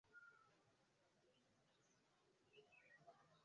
nadhani ni ni hatua kubwa ya kujisifia na lingine nina ninadhani ni